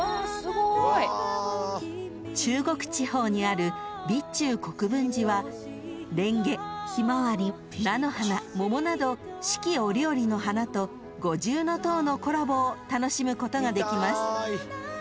［中国地方にある備中国分寺はレンゲヒマワリ菜の花桃など四季折々の花と五重塔のコラボを楽しむことができます］